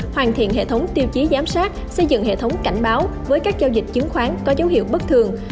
hoàn thiện hệ thống tiêu chí giám sát xây dựng hệ thống cảnh báo với các giao dịch chứng khoán có dấu hiệu bất thường